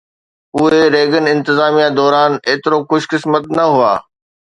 اهي ريگن انتظاميه دوران ايترو خوش قسمت نه هئا